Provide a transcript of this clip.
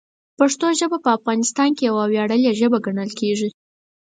پښتو ژبه په افغانستان کې یوه ویاړلې ژبه ګڼل کېږي.